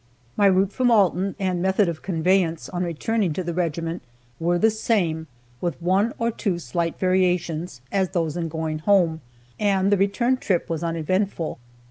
] My route from Alton, and method of conveyance, on returning to the regiment, were the same, with one or two slight variations, as those in going home, and the return trip was uneventful.